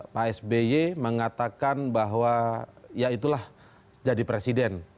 pak sby mengatakan bahwa ya itulah jadi presiden